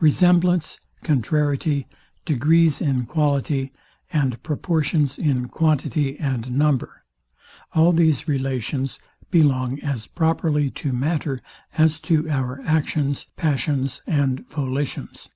RESEMBLANCE, CONTRARIETY, DEGREES IN QUALITY, and PROPORTIONS IN QUANTITY AND NUMBER; all these relations belong as properly to matter, as to our actions, passions, and volitions.